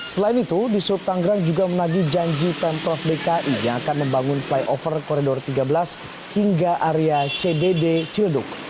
selain itu di subtangerang juga menagi janji pemprov dki yang akan membangun flyover koridor tiga belas hingga area cdd ciledug